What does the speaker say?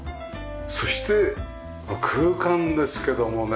そして空間ですけどもね